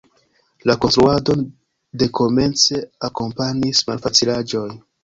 La konstruadon de komence akompanis malfacilaĵoj.